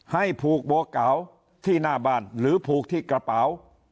ให้ผูกบัวเก๋าที่หน้าบ้านหรือผูกที่กระเป๋า